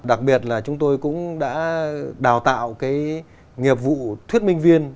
đặc biệt là chúng tôi cũng đã đào tạo cái nghiệp vụ thuyết minh viên